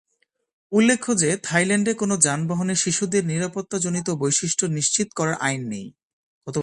উল্লেখ্য যে থাইল্যান্ডে কোন যানবাহনে শিশুদের নিরাপত্তাজনিত বৈশিষ্ট্য নিশ্চিত করার আইন নেই।